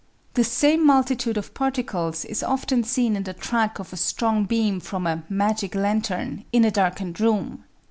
The same multitude of particles is often seen in the track of a strong beam from a "magic lantern" in a darkened room.